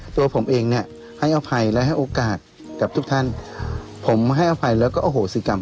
ตัวผมเองเนี่ยให้อภัยและให้โอกาสกับทุกท่านผมให้อภัยแล้วก็อโหสิกรรม